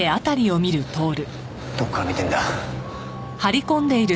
どこから見てんだ？